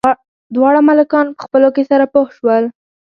دواړه ملکان په خپلو کې سره پوه شول.